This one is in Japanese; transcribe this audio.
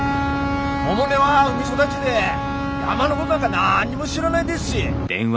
百音は海育ちで山のごとなんかなんにも知らないですし。